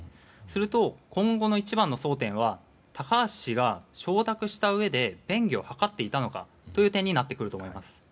すると、今後の一番の争点は高橋氏が承諾したうえで便宜を図っていたのかという点になってくると思います。